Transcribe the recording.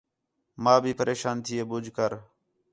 ماں بھی پریشان تھی ہے ٻُجھ کر